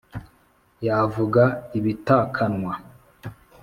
yavuga ibitakanwa